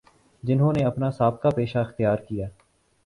جنہوں نے اپنا سا بقہ پیشہ اختیارکیا